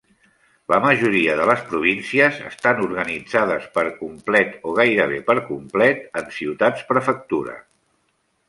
La majoria de les províncies estan organitzades, per complet o gairebé per complet, en ciutats-prefectura.